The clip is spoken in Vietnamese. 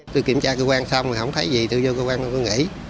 tôi kiểm tra cơ quan xong không thấy gì tôi vô cơ quan tôi cứ nghỉ